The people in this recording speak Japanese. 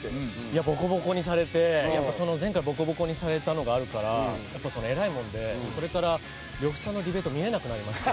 いやボコボコにされてやっぱ前回ボコボコにされたのがあるからやっぱそのえらいもんでそれから呂布さんのディベート見られなくなりまして。